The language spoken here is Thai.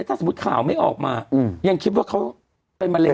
ถ้าสมมุติข่าวไม่ออกมายังคิดว่าเขาเป็นมะเร็